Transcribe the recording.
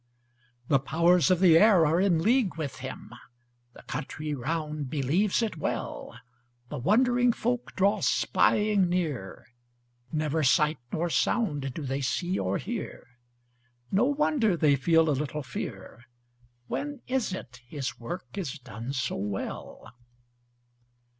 The powers of the air are in league with him; The country around believes it well; The wondering folk draw spying near; Never sight nor sound do they see or hear; No wonder they feel a little fear; When is it his work is done so well?